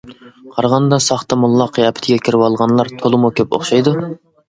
قارىغاندا ساختا موللا قىياپىتىگە كىرىۋالغانلار تولىمۇ كۆپ ئوخشايدۇ.